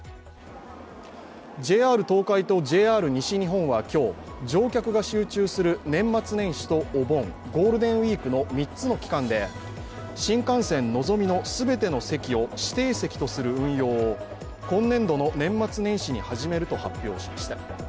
ＪＲ東海とＪＲ西日本は今日、乗客が集中する年末年始とお盆、ゴールデンウイークの３つの期間で新幹線のぞみの全ての席を指定席とする運用を今年度の年末年始に始めると発表しました。